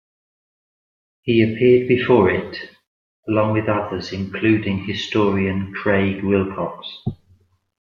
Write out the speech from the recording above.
He appeared before it, along with others including historian Craig Wilcox.